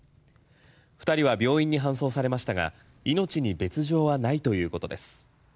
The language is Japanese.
２人は病院に搬送されましたが命に別状はないということです。